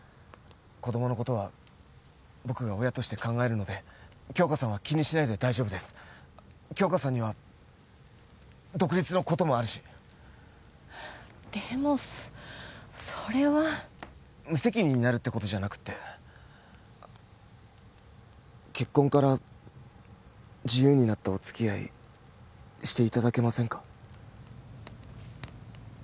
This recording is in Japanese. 子供のことは僕が親として考えるので杏花さんは気にしないで大丈夫です杏花さんには独立のこともあるしでもそれは無責任になるってことじゃなくて結婚から自由になったおつきあいしていただけませんか？